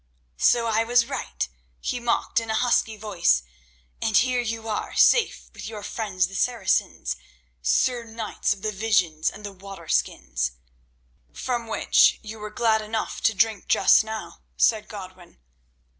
"So I was right," he mocked in a husky voice, "and here you are, safe with your friends the Saracens, Sir Knights of the visions and the water skins—" "From which you were glad enough to drink just now," said Godwin.